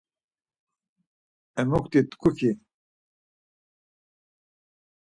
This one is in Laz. Emukti tku ki: